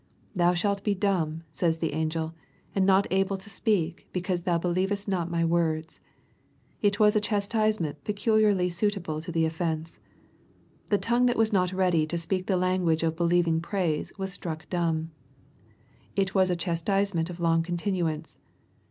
" Thou shalt be dumb," says the angel, "and not able to speak, because thou be lievest not my words." — It was a chastisement peculiarly suitable to the offence. The tongue that was not ready to speak the language of believing praise was struck dumb. — It was a chastisement of long continuance.